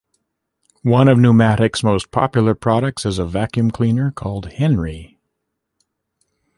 One of Numatic's most popular products is a vacuum cleaner called Henry.